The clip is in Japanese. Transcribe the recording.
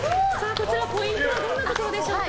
こちらポイントはどんなところでしょうか。